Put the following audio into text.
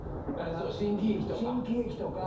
新喜劇とか。